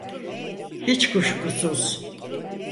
Hiç kuşkusuz.